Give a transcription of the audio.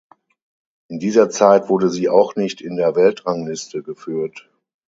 In dieser Zeit wurde sie auch nicht in der Weltrangliste geführt.